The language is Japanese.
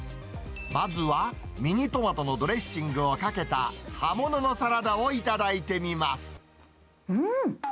まずはミニトマトのドレッシングをかけた葉物のサラダを頂いてみうーん！